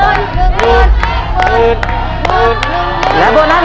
คุณฝนจากชายบรรยาย